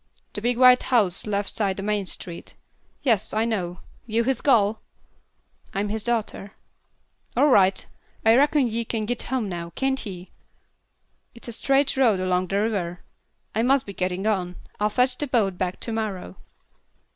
"Big white house, left side the main street. Yes, I know. You his gal?" "I'm his daughter." "All right. I reckon ye can git home now, can't ye? It's a straight road along the river. I must be gettin' on. I'll fetch the boat back to morrow."